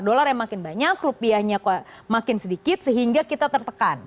dolar yang makin banyak rupiahnya makin sedikit sehingga kita tertekan